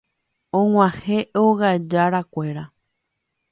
og̃uahẽ ogajarakuéra.